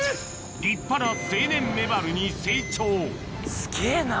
立派な成年メバルに成長すげぇな。